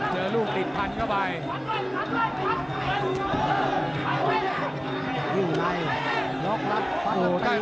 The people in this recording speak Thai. เจอลูกติดพันเข้าไป